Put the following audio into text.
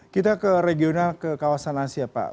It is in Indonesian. kita ke regional ke kawasan asia pak